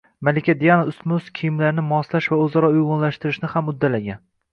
Malika Diana ustma-ust kiyimlarni moslash va o‘zaro uyg‘unlashtirishni ham uddalagan